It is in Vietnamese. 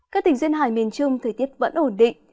các tỉnh duyên hải miền trung thời tiết vẫn ổn định